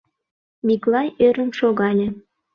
Миклай ӧрын шогале.